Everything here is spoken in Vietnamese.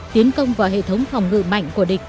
tiến công vào hệ thống phòng ngự mạnh của địch